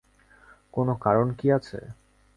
কোনো কারণ কি আছে?